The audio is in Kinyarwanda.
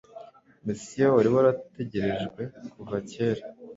Mesiya wari warategerejwe kuva kera,